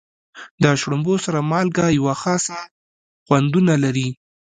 د شړومبو سره مالګه یوه خاصه خوندونه لري.